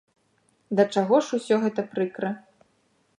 Да чаго ж усё гэта прыкра.